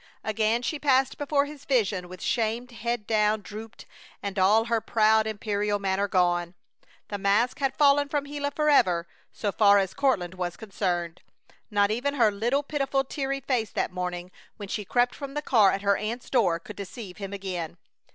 Again she passed before his vision with shamed head down drooped and all her proud, imperial manner gone. The mask had fallen from Gila forever so far as Courtland was concerned. Not even her little, pitiful, teary face that morning, when she crept from the car at her aunt's door, could deceive him again.